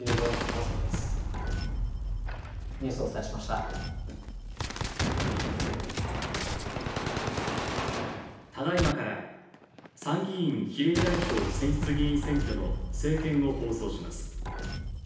ただいまから参議院比例代表選出議員選挙の政見を放送します。